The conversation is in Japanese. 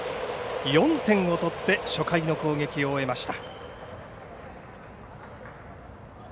４点を取って初回の攻撃を終えました。